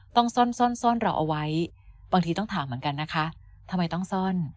ต้องซ่อนซ่อนซ่อนเราเอาไว้บางทีต้องถามเหมือนกันนะคะทำไมต้องซ่อน